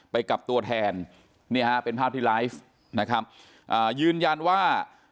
ไปกับตัวแทนเนี่ยฮะเป็นภาพที่ไลฟ์นะครับอ่ายืนยันว่า